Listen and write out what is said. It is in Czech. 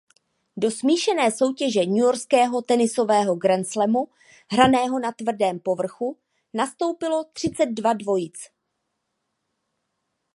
Do smíšené soutěže newyorského tenisového grandslamu hraného na tvrdém povrchu nastoupilo třicet dva dvojic.